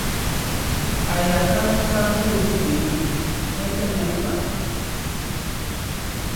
A̧ yaka kárkór tɛ́ de ná, mɛ́ tɛ́ nɛɛ́ kpa a.